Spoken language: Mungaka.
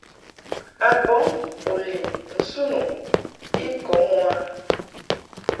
A bɔŋ u lin nsun u I kɔŋ u a.